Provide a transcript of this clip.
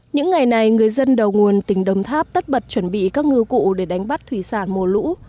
những ngày này người dân đầu nguồn tỉnh đồng tháp tất bật chuẩn bị các ngư cụ để đánh bắt thủy sản mùa lũ